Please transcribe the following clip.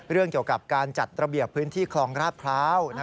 เรื่องเกี่ยวกับการจัดระเบียบพื้นที่คลองราชพร้าว